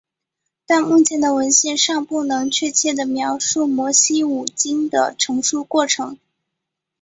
但目前的文献尚不能确切地描述摩西五经的成书过程。